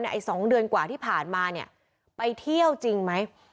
ไอ้๒เดือนกว่าที่ผ่านมาเนี่ยไปเที่ยวจริงไหม